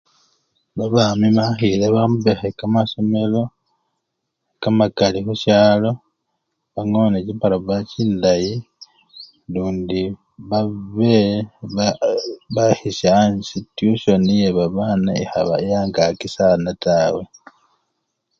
Babami bakhile bombekhe kamasomelo kamakali khusyalo, bangone chibarabara chindayi lundi babe u! bekhisya asii tusyoni yebabana ekhaba angaki sana tawe.